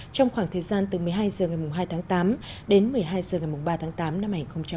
trong khoảng thời gian từ một mươi hai h ngày hai tháng tám đến một mươi hai h ngày ba tháng tám năm hai nghìn một mươi chín